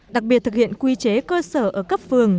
đặc biệt thực hiện quy chế cơ sở ở cấp phường